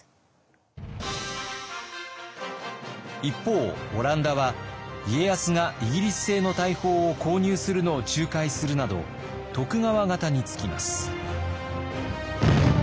一方オランダは家康がイギリス製の大砲を購入するのを仲介するなど徳川方につきます。